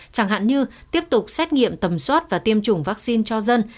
chẳng hạn như tiếp tục xét nghiệm tầm soát và tiêm chủng vaccine cho dân